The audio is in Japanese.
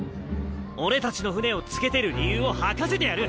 俺たちの船をつけてる理由を吐かせてやる！